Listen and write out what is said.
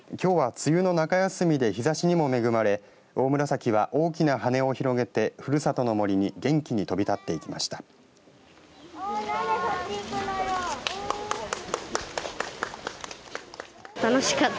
きょうは、梅雨の中休みで日ざしにも恵まれオオムラサキは大きな羽を広げてふるさとの森に元気に飛び立っていきました。